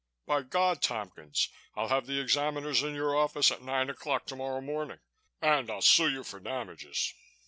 By God, Tompkins, I'll have the examiners in your office at nine o'clock tomorrow morning. And I'll sue you for damages."